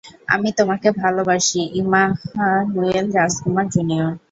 আমি তোমাকে ভালোবাসি, ইম্মানুয়েল রাজকুমার জুনিয়র!